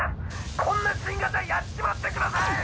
こんな新型やっちまってください！